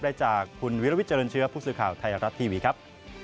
ได้จากคุณวิรวิทเจริญเชื้อผู้สื่อข่าวไทยรัฐทีวีครับ